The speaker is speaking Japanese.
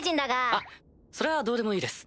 あっそれはどうでもいいです。